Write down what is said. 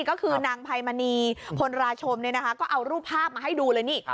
ก็คือนางไพมณีคนราชมก็เอารูปภาพมาให้ดูเลยนี่